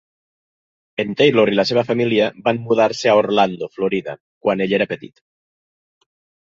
En Taylor i la seva família van mudar-se a Orlando, Florida, quan ell era petit.